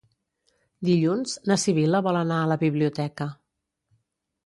Dilluns na Sibil·la vol anar a la biblioteca.